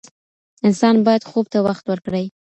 انسان باید خوب ته وخت ورکړي.